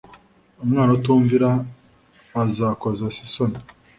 umwana utumvira akoza se isoni